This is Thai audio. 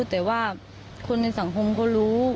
แต่ว่าคนในสังคมเขารู้